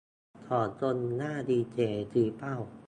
สองคนหน้าดีเจ ชี้เป้า